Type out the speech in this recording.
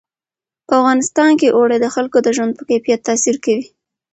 په افغانستان کې اوړي د خلکو د ژوند په کیفیت تاثیر کوي.